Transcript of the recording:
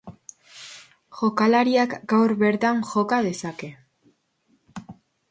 Jokalariak gaur bertan joka dezake.